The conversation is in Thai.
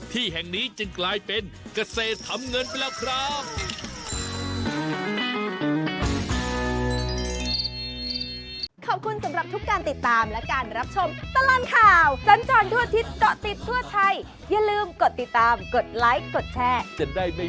ที่แห่งนี้จึงกลายเป็นเกษตรทำเงินไปแล้วครับ